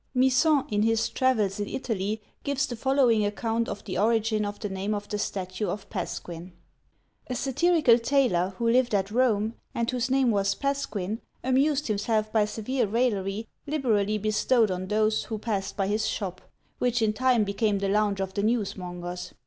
Misson, in his Travels in Italy, gives the following account of the origin of the name of the statue of Pasquin: A satirical tailor, who lived at Rome, and whose name was Pasquin, amused himself by severe raillery, liberally bestowed on those who passed by his shop; which in time became the lounge of the newsmongers.